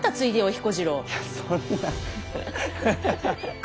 いやそんな。